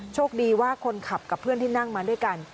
โชคดีว่าคนขับกับเพื่อนที่นั่งมาด้วยกัน